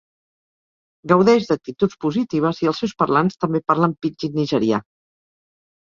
Gaudeix d'actituds positives i els seus parlants també parlen pidgin nigerià.